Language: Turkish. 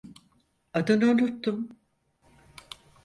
Adını unuttum.